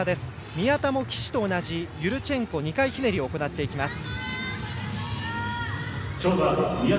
宮田も岸と同じユルチェンコ２回ひねりを行っていきます。